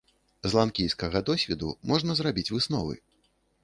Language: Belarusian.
З ланкійскага досведу можна зрабіць высновы.